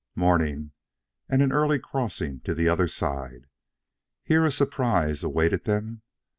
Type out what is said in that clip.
Morning! and an early crossing to the other side. Here a surprise awaited them.